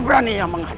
kau untuk kemenangan